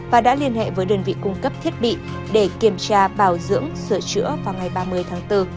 và đã liên hệ với đơn vị cung cấp thiết bị để kiểm tra bảo dưỡng sửa chữa vào ngày ba mươi tháng bốn